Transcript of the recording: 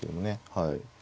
はい。